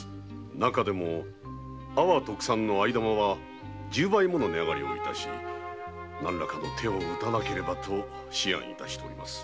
中でも阿波特産の藍玉は十倍もの値上がりを致し何らかの手を打たねばと思案致しております。